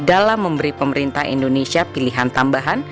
dalam memberi pemerintah indonesia pilihan tambahan